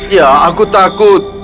ya aku takut